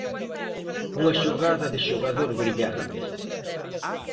Unha xogada de xogador brillante.